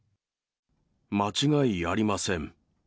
間違いありません。